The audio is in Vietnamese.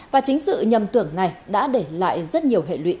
và chính sự nhầm tưởng này đã đẩy